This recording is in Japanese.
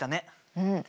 うん。